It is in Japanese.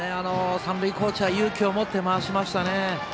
三塁コーチャーが勇気を持って回しましたね。